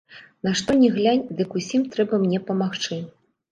На што ні глянь, дык усім трэба мне памагчы.